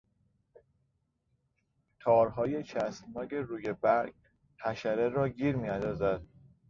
تارهای چسبناک روی برگ، حشره را گیر میاندازد.